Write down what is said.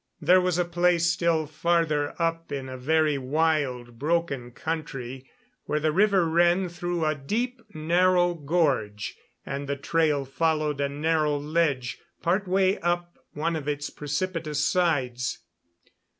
There was a place still farther up in a very wild, broken country, where the river ran through a deep, narrow gorge, and the trail followed a narrow ledge part way up one of its precipitous sides.